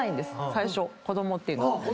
最初子供っていうのは。